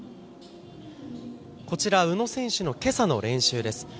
こちら宇野選手の今朝の練習です。